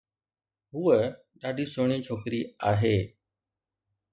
ھوءَ ڏاڍي سهڻي ڇوڪري آھي.